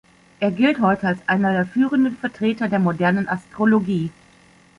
Er gilt heute als einer der führenden Vertreter der modernen Astrologie.